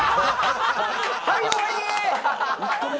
はい、終わり！